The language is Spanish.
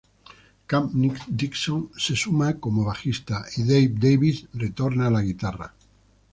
Cam Dixon se suma como bajista y Dave Davis retorna a la guitarra.